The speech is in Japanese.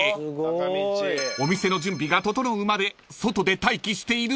［お店の準備が整うまで］